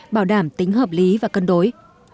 bảo đảm tính hợp lý và cân đối